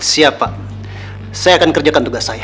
siap pak saya akan kerjakan tugas saya